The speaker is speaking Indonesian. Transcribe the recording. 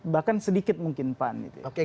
bahkan sedikit mungkin pan